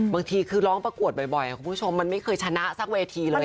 บางทีคือร้องประกวดบ่อยคุณผู้ชมมันไม่เคยชนะสักเวทีเลย